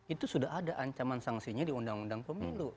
itu sudah ada ancaman sanksinya di undang undang pemilu